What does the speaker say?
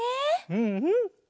うんうん。